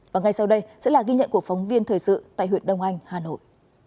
và ngay sau đây sẽ là ghi nhận của phóng viên thời sự tại huyện đông anh hà nội